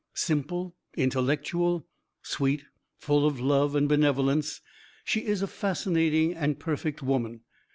Simple, intellectual, sweet, full of love and benevolence, she is a fascinating and perfect woman.